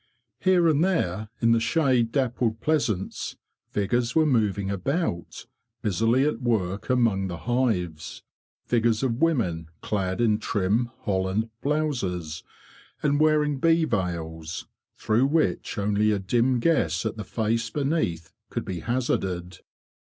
Here and there in the shade dappled pleasance figures were moving about, busily at work among the hives, figures of women clad in trim holland blouses, and wearing bee veils, through which only a dim guess at the face beneath could be hazarded.